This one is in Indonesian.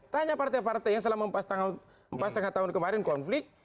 tanya partai partai yang selama empat lima tahun kemarin konflik